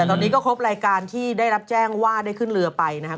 ตอนนี้ก็ครบรายการที่ได้รับแจ้งว่าได้ขึ้นเรือไปนะครับ